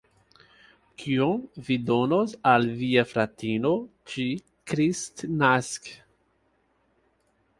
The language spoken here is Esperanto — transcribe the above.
Kion vi donos al via fratino ĉi-kristnaske?